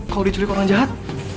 kalau diculik orang jahat